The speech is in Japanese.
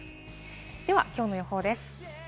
では今日の予報です。